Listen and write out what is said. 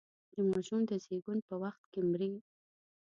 د ماشوم د زېږون په وخت کې مري.